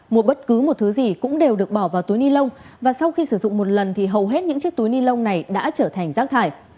mua bất cứ một thứ gì cũng đều được bỏ vào túi ni lông và sau khi sử dụng một lần thì hầu hết những chiếc túi ni lông này đã trở thành rác thải